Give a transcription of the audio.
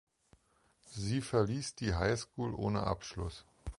Sie verließ die High School ohne Abschluss.